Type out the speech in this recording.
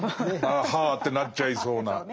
ああはあってなっちゃいそうな。